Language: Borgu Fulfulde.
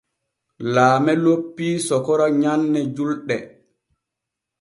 Laame loppii sokora nyanne julɗe.